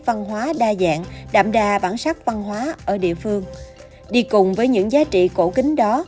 văn hóa đa dạng đạm đa bản sắc văn hóa ở địa phương đi cùng với những giá trị cổ kính đó